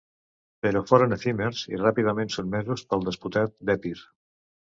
Però foren efímers i ràpidament sotmesos pel despotat d'Epir.